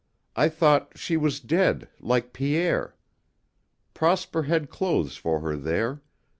I thought she was dead like Pierre. Prosper had clothes for her there.